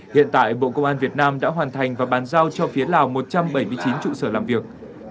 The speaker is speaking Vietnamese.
hiện tại bộ công an việt nam đã hoàn thành và bàn giao cho phía lào một trăm bảy mươi chín trụ sở làm việc